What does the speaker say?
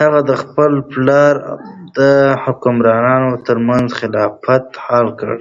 هغه د خپل پلار او حکمران تر منځ اختلاف حل کړ.